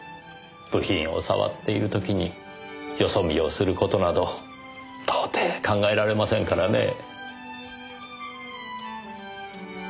部品を触っている時によそ見をする事など到底考えられませんからねえ。